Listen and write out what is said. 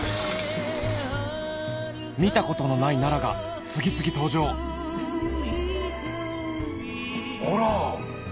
見たことのない奈良が次々登場あら！